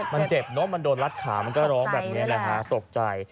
มันเจ็บเนอะมันโดนรัดขามันก็ร้องแบบนี้นะฮะตกใจ